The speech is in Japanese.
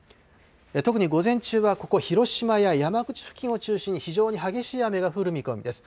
特に午前中はここ、広島や山口付近を中心に非常に激しい雨が降る見込みです。